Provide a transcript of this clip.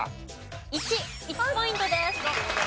１。１ポイントです。